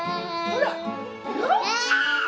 ほら！